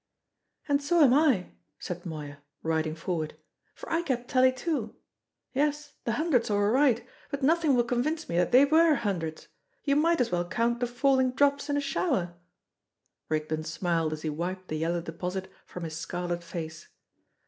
"And so am I," said Moya, riding forward, "for I kept tally too. Yes, the hundreds are all right; but nothing will convince me that they were hundreds; you might as well count the falling drops in a shower!" Rigden smiled as he wiped the yellow deposit from his scarlet face.